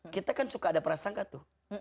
kita kan suka ada prasangka tuh